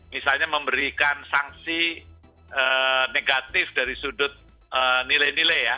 misalnya memberikan sanksi negatif dari sudut nilai nilai ya